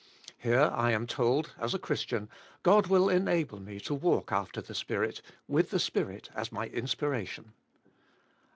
Here I am told as a Christian, God will en able me to v/alk after the Spirit, with the Spirit as my inspiration.